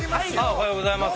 ◆おはようございます。